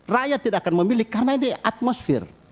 rakyat tidak akan memilih karena ini atmosfer